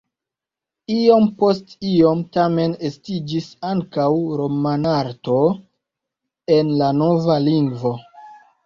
Iom post iom tamen estiĝis ankaŭ romanarto en la nova lingvo.